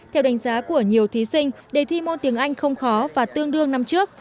theo đánh giá của nhiều thí sinh đề thi môn tiếng anh không khó và tương đương năm trước